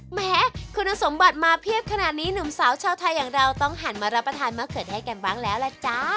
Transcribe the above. แหมคุณสมบัติมาเพียบขนาดนี้หนุ่มสาวชาวไทยอย่างเราต้องหันมารับประทานมะเขือเทศกันบ้างแล้วล่ะจ๊ะ